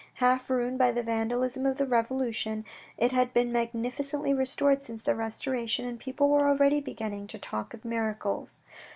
Half ruined by the vandalism of the Revolu tion, it had been magnificently restored since the Restoration, and people were already beginning to talk of miracles.